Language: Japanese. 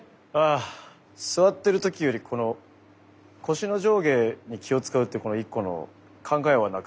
あ座ってる時よりこの腰の上下に気を遣うっていうこの一個の考えはなくなります。